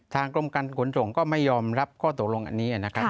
ทางกรมการขนส่งก็ไม่ยอมรับข้อตกลงอันนี้